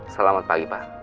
selamat pagi pak